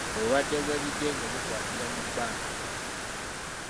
Obulwadde bw'ebigenge bukwatira mu bbanga.